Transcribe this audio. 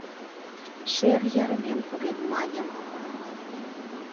Шер ярымем погем маньым -